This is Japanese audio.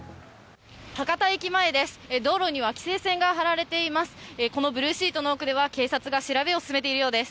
博多駅前です。